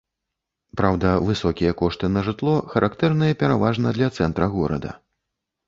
Праўда, высокія кошты на жытло характэрныя пераважна для цэнтра горада.